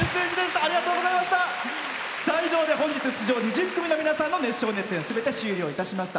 以上で本日出場２０組の皆さんの熱唱・熱演すべて終了いたしました。